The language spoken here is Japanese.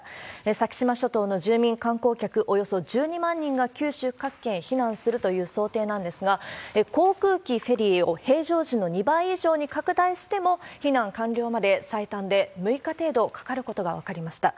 先島諸島の住民観光客、１２万人が九州各県へ避難するという想定なんですが、航空機、フェリーを平常時の２倍以上に拡大しても、避難完了まで最短で６日程度かかることが分かりました。